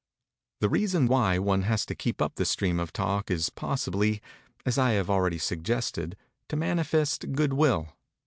The reason why one has to keep up the stream of talk is possibly, as I have already suggested, to manifest goodwill.